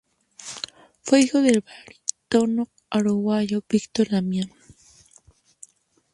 Fue hijo del barítono uruguayo Víctor Damiani.